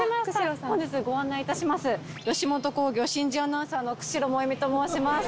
本日ご案内致します吉本興業新人アナウンサーの久代萌美と申します。